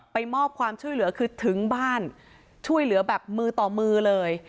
มอบความช่วยเหลือคือถึงบ้านช่วยเหลือแบบมือต่อมือเลย